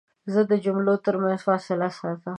زه د جملو ترمنځ فاصله ساتم.